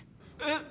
えっ！？